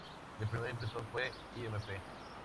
El primer impresor fue "Imp.